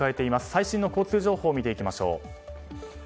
最新の交通情報を見ていきましょう。